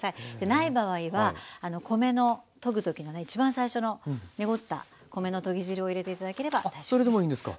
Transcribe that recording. ない場合は米のとぐ時のねいちばん最初の濁った米のとぎ汁を入れて頂ければ大丈夫です。